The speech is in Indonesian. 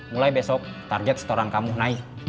mulai besok target setoran kamu naik